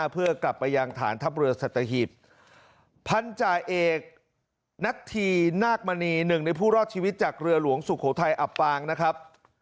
เพื่อกลับไปยังฐานทัพเรือสัตหีบพันธาเอกนัทธีนาคมณีหนึ่งในผู้รอดชีวิตจากเรือหลวงสุโขทัยอับปางนะครับ